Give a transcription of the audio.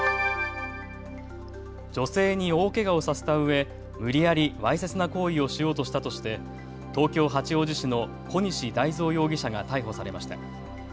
女性に大けがをさせたうえ、無理やりわいせつな行為をしようとしたとして東京八王子市の小西太造容疑者が逮捕されました。